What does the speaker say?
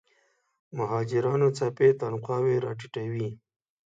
مهاجرانو څپې تنخواوې راټیټوي.